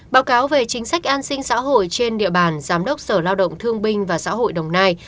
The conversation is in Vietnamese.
báo cáo về chính sách an sinh xã hội trên địa bàn giám đốc sở lao động thương binh và xã hội đồng nai